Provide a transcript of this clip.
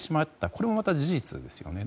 これもまた事実ですよね。